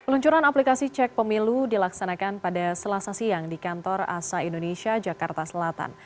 peluncuran aplikasi cek pemilu dilaksanakan pada selasa siang di kantor asa indonesia jakarta selatan